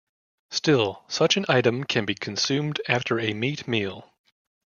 Still, such an item can be consumed after a meat meal.